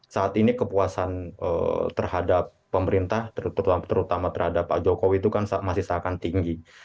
saat ini kepuasan terhadap pemerintah terutama terhadap pak jokowi itu kan masih seakan tinggi